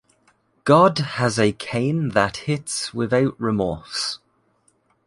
God has a cane that hits without remorse!